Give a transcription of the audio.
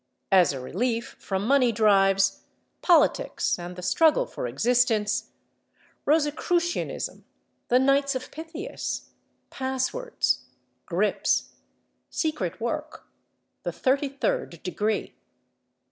As a relief from money drives, politics and the struggle for existence—Rosicrucianism, the Knights of Pythias, passwords, grips, secret work, the 33rd degree.